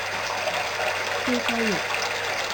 燒雞翼